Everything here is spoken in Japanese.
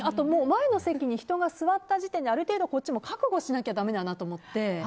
前の席に人が座った時点である程度こっちも覚悟しなきゃだめだなと思って。